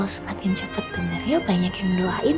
semakin cepet dengernya banyak yang doain